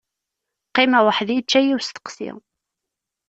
Qqimeɣ weḥd-i, yečča-yi usteqsi.